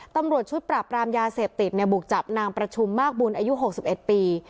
ตำรวจชุดปราบรามยาเสพติดบุกจับนางประชุมมากบุญอายุ๖๑ปี